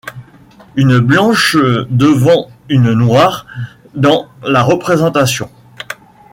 Une blanche devant une noire dans la représentation.